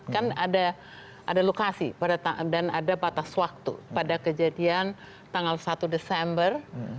kan ada lokasi dan ada batas waktu pada kejadian tanggal satu desember